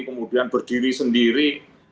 kemudian berdiri sendiri